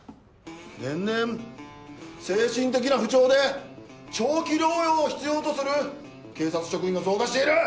年々精神的な不調で長期療養を必要とする警察職員が増加している！